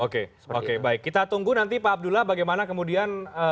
oke oke baik kita tunggu nanti pak abdullah bagaimana kemudian